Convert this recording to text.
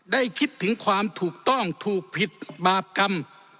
คิดถึงความถูกต้องถูกผิดบาปกรรม